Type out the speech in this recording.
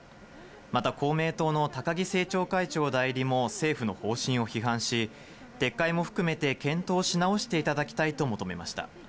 また公明党の高木政調会長代理も政府の方針を批判し、撤回も含めて検討し直していただきたいと求めました。